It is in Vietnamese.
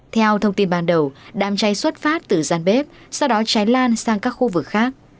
theo thông tin ban đầu đám cháy xuất phát từ giàn bếp sau đó cháy lan sang các khu vực khác